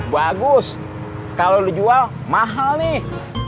bagus kalau dijual mahal nih